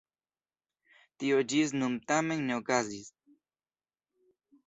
Tio ĝis nun tamen ne okazis.